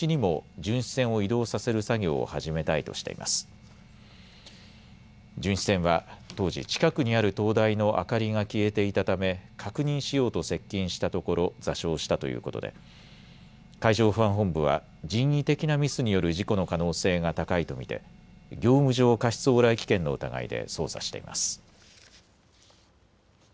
巡視船は当時、近くにある灯台の明かりが消えていたため確認しようと接近したところ座礁したということで海上保安本部は人為的なミスによる事故の可能性が高いと見て業務上過失往来危険の疑いで捜査しています。